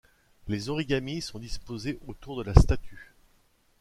Les origamis sont disposés autour de la statue.